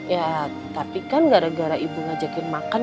ya tapi kan gara gara ibu ngajakin makan